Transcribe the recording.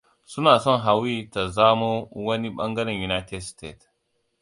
Suna son Hawii ta zamo wani bangaren United Stated.